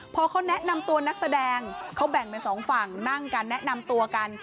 พอเขาแนะนำตัวนักแสดงเขาแบ่งเป็นสองฝั่งนั่งกันแนะนำตัวกัน